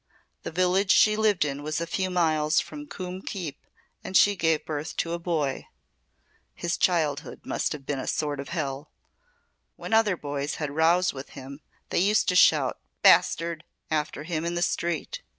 The village she lived in was a few miles from Coombe Keep and she gave birth to a boy. His childhood must have been a sort of hell. When other boys had rows with him they used to shout 'Bastard' after him in the street.